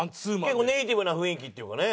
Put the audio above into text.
結構ネイティブな雰囲気っていうかね。